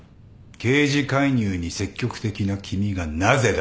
刑事介入に積極的な君がなぜだ。